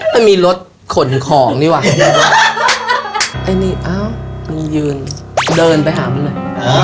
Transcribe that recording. ไม่มีรถขนของนี่ว่ะไอ้นี่อ้าวมึงยืนเดินไปหามึงเลย